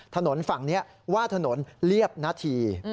ถนนฝั่งนี้ว่าถนนเรียบนาที